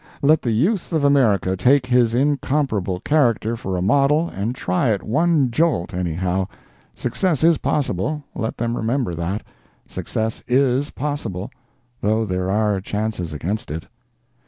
Let the youth of America take his incomparable character for a model and try it one jolt, anyhow. Success is possible—let them remember that—success is possible, though there are chances against it.